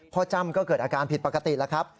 จ้ำก็เกิดอาการผิดปกติแล้วครับ